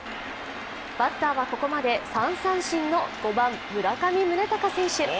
バッターはここまで３三振の５番・村上宗隆選手。